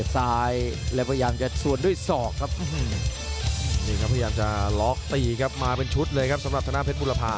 ตลอดชุดเลยครับสำหรับจนะชันเรียมเป็นพุทธบุรพา